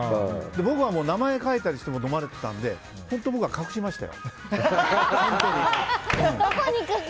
僕は名前書いたりしても飲まれてたんで、隠しましたよ。